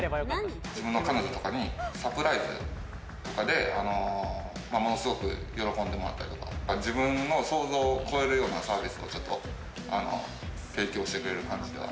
自分の彼女とかにサプライズとかでものすごく喜んでもらったりとか、自分の想像を超えるようなサービスを提供してくれる感じ。